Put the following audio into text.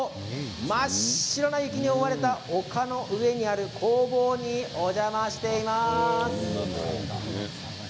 真っ白な雪に覆われた丘の上にある工房にお邪魔しています。